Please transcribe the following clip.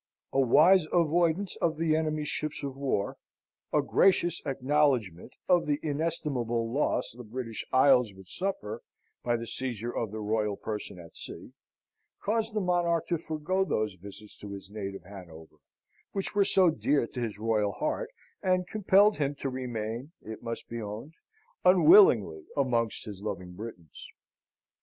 A wise avoidance of the enemy's ships of war, a gracious acknowledgment of the inestimable loss the British Isles would suffer by the seizure of the royal person at sea, caused the monarch to forgo those visits to his native Hanover which were so dear to his royal heart, and compelled him to remain, it must be owned, unwillingly amongst his loving Britons.